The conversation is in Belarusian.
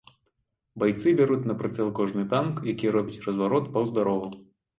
Байцы бяруць на прыцэл кожны танк, які робіць разварот паўз дарогу.